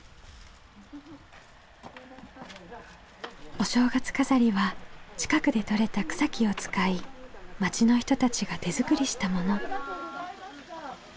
お正月飾りは近くでとれた草木を使い町の人たちが手作りしたもの。